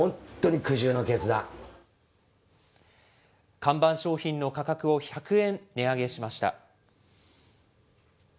看板商品の価格を１００円値上げしました。